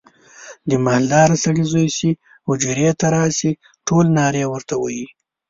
د مالداره سړي زوی چې حجرې ته راشي ټول نارې ورته وهي.